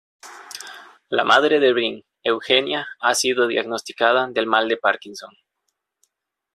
La madre de Brin, Eugenia ha sido diagnosticada del mal de Parkinson.